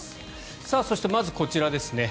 そしてまずこちらです。